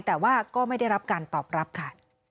แต่ว่าก็ไม่ได้รับการตอบรับค่ะ